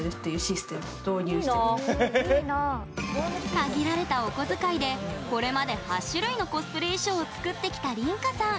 限られたお小遣いでこれまで８種類のコスプレ衣装を作ってきた、りんこさん。